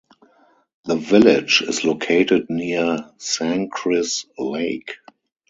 The village is located near Sangchris Lake.